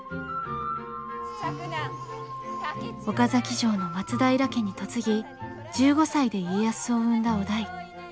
岡崎城の松平家に嫁ぎ１５歳で家康を産んだ於大。